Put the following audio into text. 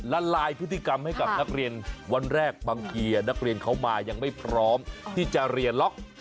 ละลายพฤติกรรมให้กับนักเรียนวันแรกบางทีนักเรียนเขามายังไม่พร้อมที่จะเรียนล็อก